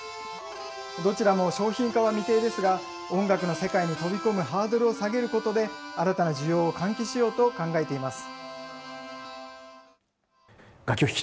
どちらも商品化は未定ですが、音楽の世界に飛び込むハードルを下げることで、新たな需要を喚起しようと考えています。